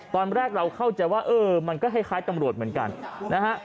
ตอนแรกเราเข้าใจว่าเออมันก็คล้ายตำรวจเหมือนกันนะฮะ